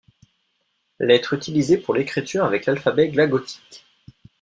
Lettres utilisées pour l’écriture avec l’alphabet glagolitique.